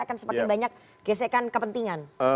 akan semakin banyak gesekan kepentingan